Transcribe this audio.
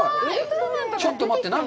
ちょっと待って。